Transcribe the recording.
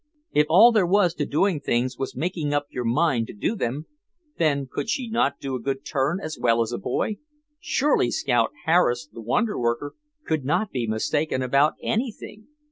If all there was to doing things was making up your mind to do them, then could she not do a good turn as well as a boy? Surely Scout Harris, the wonder worker, could not be mistaken about anything.